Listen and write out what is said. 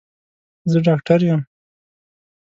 زه ډاکټر یم